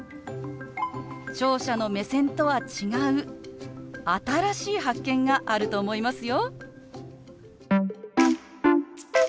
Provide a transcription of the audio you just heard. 聴者の目線とは違う新しい発見があると思いますよ。